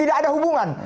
tidak ada hubungan